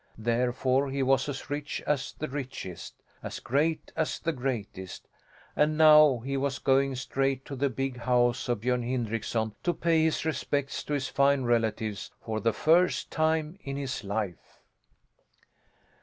Therefore he was as rich as the richest, as great as the greatest, and now he was going straight to the big house of Björn Hindrickson to pay his respects to his fine relatives, for the first time in his life.